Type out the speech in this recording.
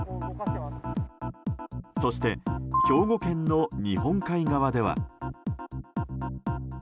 そして兵庫県の日本海側では。